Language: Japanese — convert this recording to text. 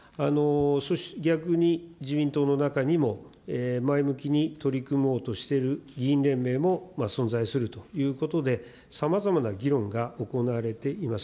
逆に自民党の中にも、前向きに取り組もうとしている議員連盟も存在するということで、さまざまな議論が行われています。